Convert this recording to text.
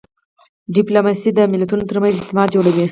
ډیپلوماسي د ملتونو ترمنځ اعتماد جوړوي.